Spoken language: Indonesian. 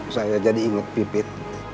saya jadi inget pipit